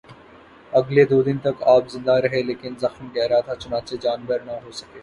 اگلے دو دن تک آپ زندہ رہے لیکن زخم گہرا تھا، چنانچہ جانبر نہ ہو سکے